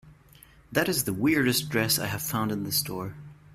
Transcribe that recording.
That is the weirdest dress I have found in this store.